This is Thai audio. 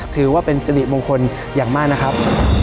ถือว่าเป็นสิริมงคลอย่างมากนะครับ